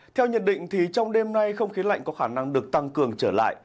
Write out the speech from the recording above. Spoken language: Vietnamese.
theo nhận định trong đêm nay không khí lạnh có khả năng được tăng cường trở lại